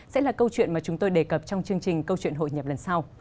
sẽ là câu chuyện mà chúng tôi đề cập trong chương trình câu chuyện hội nhập lần sau